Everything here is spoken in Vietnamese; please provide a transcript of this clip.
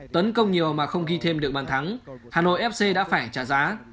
tấn công nhiều mà không ghi thêm được bàn thắng hà nội fc đã phải trả giá